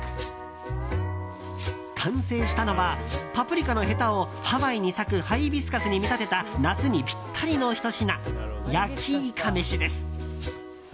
完成したのはパプリカのヘタをハワイに咲くハイビスカスに見立てた夏にぴったりのひと品焼きイカめしです。